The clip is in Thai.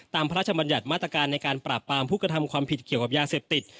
พระราชบัญญัติมาตรการในการปราบปรามผู้กระทำความผิดเกี่ยวกับยาเสพติด